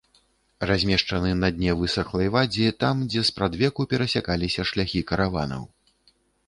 Размешчаны на дне высахлай вадзі там, дзе спрадвеку перасякаліся шляхі караванаў.